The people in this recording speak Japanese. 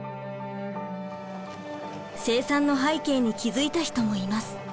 生産の背景に気付いた人もいます。